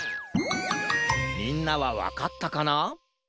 みんなはわかったかな？